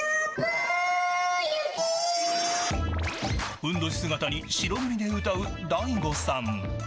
ふんどし姿に白塗り姿で歌う大悟さん。